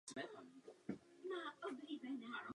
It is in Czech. Mezi jeho žáky patřili především Tchang Jin a Čchiou Jing.